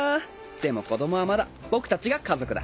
でも子供はまだ僕たちが家族だ。